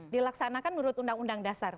dilaksanakan menurut undang undang dasar